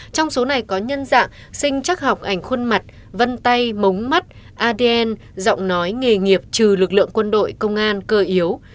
trong số này có nhân dạng sinh chắc học ảnh khuôn mặt vân tay mống mắt adn giọng nói nghề nghiệp trừ lực lượng quân đội công an cơ yếu